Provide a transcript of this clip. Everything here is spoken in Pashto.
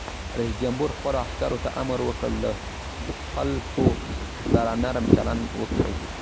رئیس جمهور خپلو عسکرو ته امر وکړ؛ له خلکو سره نرم چلند وکړئ!